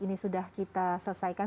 ini sudah kita selesaikan